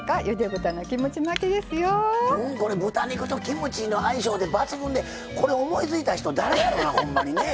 豚肉とキムチの相性が抜群で、思いついた人誰やろな、ほんまにね。